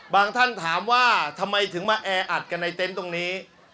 ท่านถามว่าทำไมถึงมาแออัดกันในเต็นต์ตรงนี้